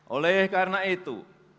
oleh karena itu